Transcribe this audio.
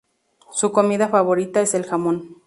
Su comida favorita es el jamón.